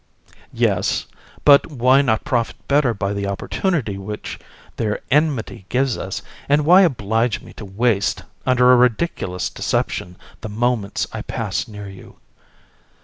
VISC. Yes; but why not profit better by the opportunity which their enmity gives us, and why oblige me to waste, under a ridiculous deception, the moments I pass near you? JU.